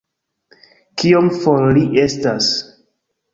Kiom for li estas